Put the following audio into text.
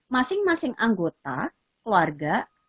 masing masing anggota keluarga